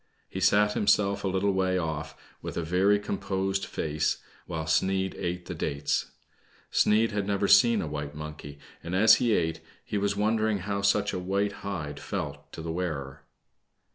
He sat himself a little way off, with a very composed face, while Sneid eat the dat^. Sneid had never seen a white monkey, and, as he eat, he was wondering how such a white hide felt to the wearer.